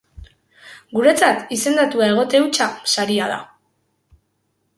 Guretzat, izendatuta egote hutsa saria da.